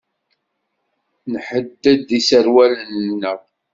Nḥedded iserwalen-nneɣ.